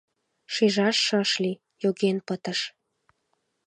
Шижаш шыш лий - йоген пытыш.